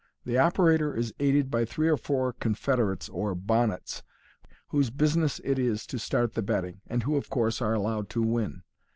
The operator is aided by three or four confederates, or " bonnets," whose business it is to start the betting, and who, of course, are allowed to win.